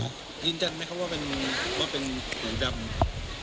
ยืนยันมั้ยเขาว่าเป็นหูดำ